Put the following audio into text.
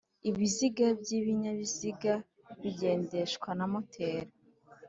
Ibiziga by'ibinyabiziga bigendeshwa na moteri